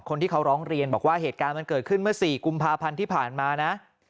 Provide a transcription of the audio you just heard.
คนที่เขาร้องเรียนบอกว่าเหตุการณ์มันเกิดขึ้นเมื่อ๔กุมภาพันธ์ที่ผ่านมานะ